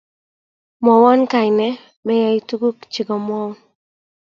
mwowon kaine meyay tuguk chigikamwaun